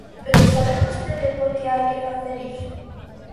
¿Pero sabe vostede por que hai que facer iso?